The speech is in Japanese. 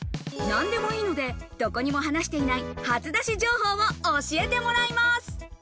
何でもいいので、どこにも話していない初出し情報を教えてもらいます。